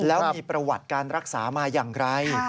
แล้วมีประวัติการรักษามาอย่างไร